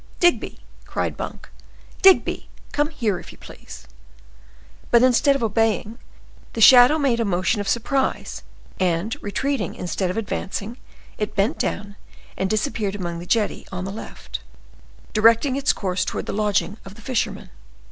"Digby!" cried Monk. "Digby! come here, if you please." But instead of obeying, the shadow made a motion of surprise, and, retreating instead of advancing, it bent down and disappeared along the jetty on the left, directing its course towards the lodging of the fishermen.